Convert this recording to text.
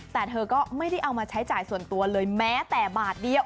แต่เธอก็ไม่ได้เอามาใช้จ่ายส่วนตัวเลยแม้แต่บาทเดียว